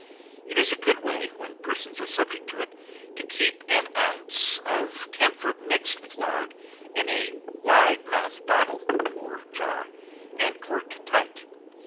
It is a good way, when persons are subject to it, to keep an ounce of camphor mixed with lard, in a wide mouthed bottle, or jar; and corked tight.